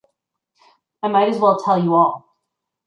I might as well tell you all.